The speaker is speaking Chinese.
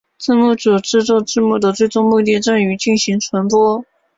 字幕组制作字幕的最终目的在于进行传播。